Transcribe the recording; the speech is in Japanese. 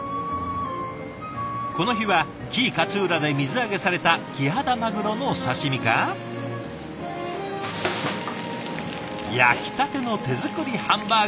この日は紀伊勝浦で水揚げされたキハダマグロの刺身か焼きたての手作りハンバーグ！